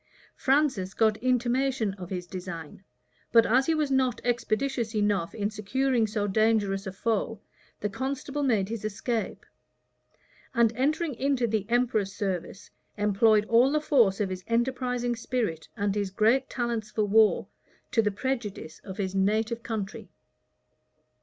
Francis got intimation of his design; but as he was not expeditious enough in securing so dangerous a foe, the constable made his escape;[] and entering into the emperor's service, employed all the force of his enterprising spirit, and his great talents for war, to the prejudice of his native country.